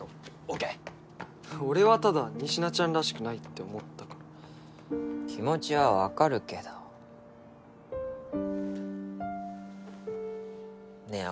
オーケー俺はただ仁科ちゃんらしくないって思ったから気持ちはわかるけどねえ